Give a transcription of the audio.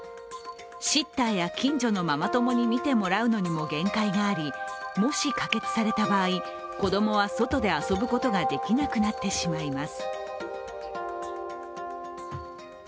シッターや近所のママ友に見てもらうのにも限界がありもし可決された場合、子供は外で遊ぶことができなくなってしまいます。